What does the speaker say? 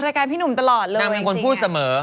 นางเป็นคนพูดเสมอ